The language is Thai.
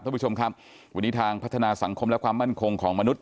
ท่านผู้ชมครับวันนี้ทางพัฒนาสังคมและความมั่นคงของมนุษย